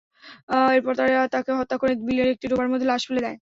এরপর তারা তাঁকে হত্যা করে বিলের একটি ডোবার মধ্যে লাশ ফেলে দেয়।